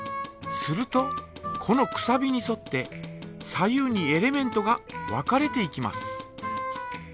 するとこのくさびにそって左右にエレメントが分かれていきます。